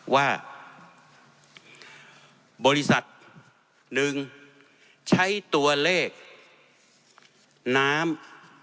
ว่าบริษัทหนึ่งใช้ตัวเลขน้ำ